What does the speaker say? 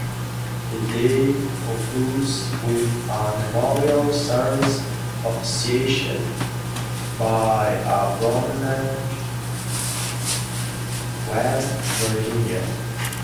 The day concludes with a memorial service officiated by a prominent West Virginian.